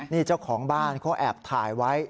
นี่เจ้าของบ้านเขาแอบถ่ายไว้